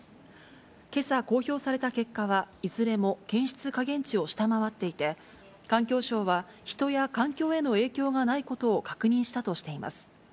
けさ、公表された結果は、いずれも検出下限値を下回っていて、環境省は人や環境への影響がないことを確認したとしています。